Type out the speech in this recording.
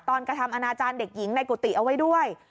กระทำอนาจารย์เด็กหญิงในกุฏิเอาไว้ด้วย